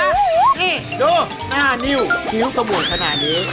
นี่ดูหน้านิ้วผิวขโมงสนานนี้